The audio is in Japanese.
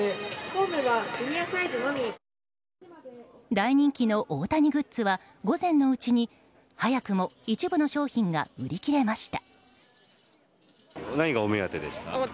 大人気の大谷グッズは午前のうちに早くも一部の商品が売り切れました。